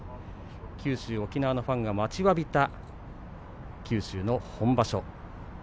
九州、沖縄のファンが待ちわびた九州の本場所。